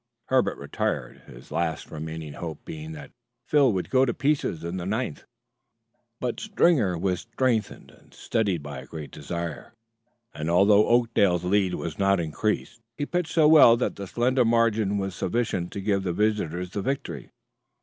Herbert retired, his last remaining hope being that Phil would go to pieces in the ninth. But Springer was strengthened and steadied by a great desire, and, although Oakdale's lead was not increased, he pitched so well that the slender margin was sufficient to give the visitors the victory.